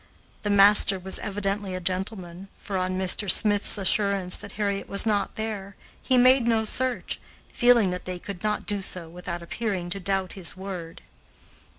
The master was evidently a gentleman, for, on Mr. Smith's assurance that Harriet was not there, he made no search, feeling that they could not do so without appearing to doubt his word.